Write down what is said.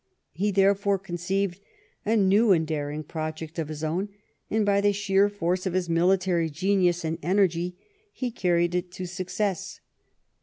He, therefore, conceived a new and daring project of his own, and by the sheer force of his military genius and energy he carried it to suc cess.